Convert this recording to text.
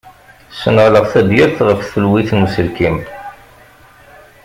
Sneɣleɣ tabyirt ɣef tfelwit n uselkem.